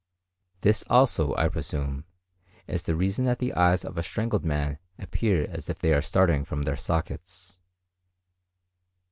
This also, I presume, is the reason that the eyes of a strangled man appear as if they were starting from their sockets.